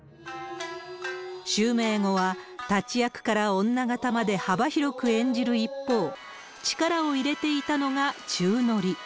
襲名後は、立役から女形まで幅広く演じる一方、力を入れていたのが宙乗り。